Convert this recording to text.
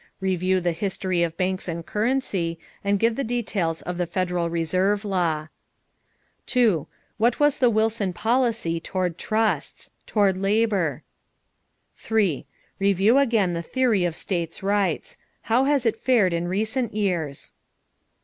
Review the history of banks and currency and give the details of the Federal reserve law. 2. What was the Wilson policy toward trusts? Toward labor? 3. Review again the theory of states' rights. How has it fared in recent years?